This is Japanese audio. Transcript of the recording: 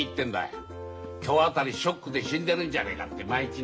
今日辺りショックで死んでるんじゃねえかって毎日な。